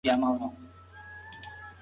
انا په سخت ژمي کې بلې خونې ته کډه وکړه.